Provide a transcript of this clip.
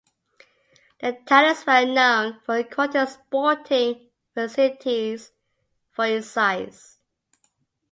The town is well known for quality sporting facilities for its size.